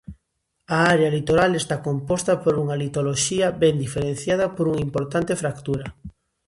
A área litoral está composta por unha litoloxía ben diferenciada por unha importante fractura.